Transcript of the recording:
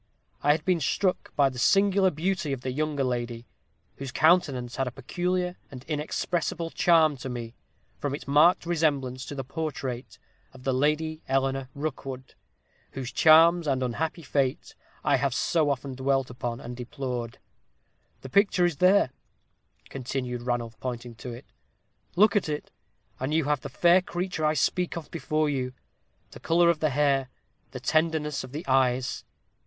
I had been struck by the singular beauty of the younger lady, whose countenance had a peculiar and inexpressible charm to me, from its marked resemblance to the portrait of the Lady Eleanor Rookwood, whose charms and unhappy fate I have so often dwelt upon and deplored. The picture is there," continued Ranulph, pointing to it: "look at it, and you have the fair creature I speak of before you; the color of the hair the tenderness of the eyes.